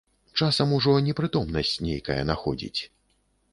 Часам ужо непрытомнасць нейкая находзіць.